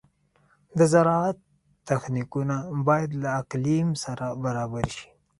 د زراعت تخنیکونه باید له اقلیم سره برابر شي.